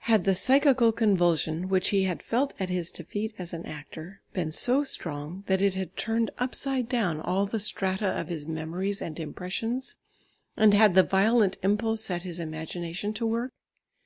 Had the psychical convulsion, which he had felt at his defeat as an actor, been so strong that it had turned upside down all the strata of his memories and impressions, and had the violent impulse set his imagination to work?